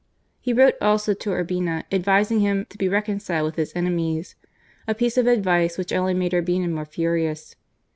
He wrote also to Urbina, advising him to be reconciled with his enemies," a piece of advice which only made Urbina more furious.